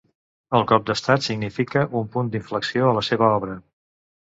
El cop d'estat significa un punt d'inflexió a la seva obra.